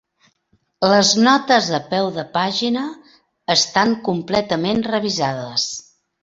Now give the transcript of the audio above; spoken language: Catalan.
Les notes a peu de pàgina estan completament revisades.